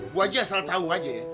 bu aji asal tahu aji